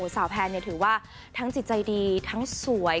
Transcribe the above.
แพนถือว่าทั้งจิตใจดีทั้งสวย